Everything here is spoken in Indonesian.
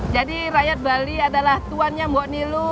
jadi rakyat bali adalah tuannya mbok milo